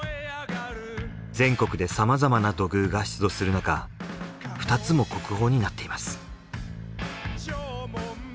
全国でさまざまな土偶が出土するなか２つも国宝になっています。